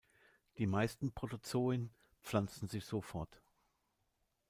Die meisten Protozoen pflanzen sich so fort.